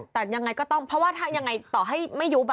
แต่ยังไงก็ต้องเพราะว่าถ้ายังไงต่อให้ไม่ยุบ